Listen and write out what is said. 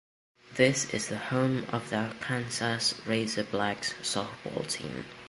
It is the home of the Arkansas Razorbacks softball team.